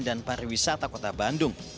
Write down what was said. dan pariwisata kota bandung